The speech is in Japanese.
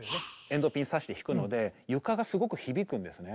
エンドピンさして弾くので床がすごく響くんですね。